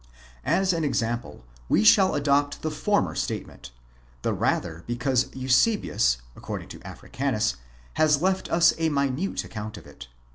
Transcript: As an example we shall adopt the former statement: the rather because Eusebius, according to Africanus, has left us a minute account of it.